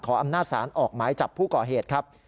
อำนาจสารออกหมายจับผู้ก่อเหตุครับ